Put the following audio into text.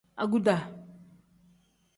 Aguda.